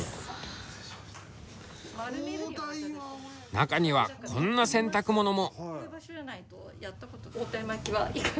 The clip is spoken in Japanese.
中にはこんな洗濯物も。